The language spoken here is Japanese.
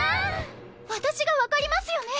私が分かりますよね？